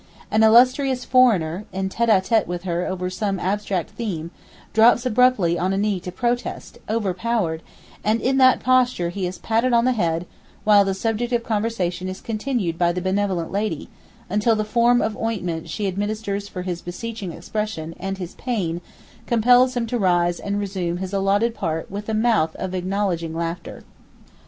An illustrious foreigner, en tête à tête with her over some abstract theme, drops abruptly on a knee to protest, overpowered; and in that posture he is patted on the head, while the subject of conversation is continued by the benevolent lady, until the form of ointment she administers for his beseeching expression and his pain compels him to rise and resume his allotted part with a mouth of acknowledging laughter.